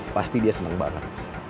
pasti dia seneng banget